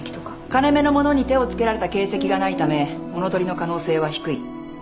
金目の物に手を付けられた形跡がないため物取りの可能性は低い。